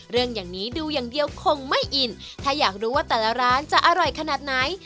เรื่องอย่างนี้ดูอย่างเดียวคงไม่อินถ้าอยากรู้ว่าแต่ละร้านจะอร่อยขนาดไหน